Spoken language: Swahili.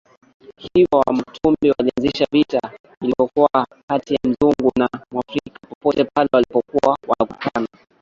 hivyo Wamatumbi walianzisha vita iliyokuwa kati ya Mzungu na Mwafrika popote pale walipokuwa wanakutana